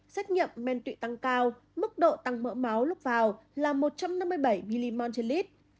xét nghiệm men tụy tăng cao mức độ tăng mỡ máu lúc vào là một trăm năm mươi bảy mmol trên lít